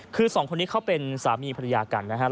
คือสองคนนี้เขาเป็นสามีภรรยากันนะครับ